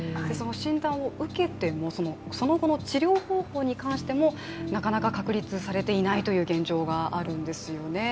診断を受けても、その後の治療方法に関してもなかなか確立されていないという現状があるんですよね。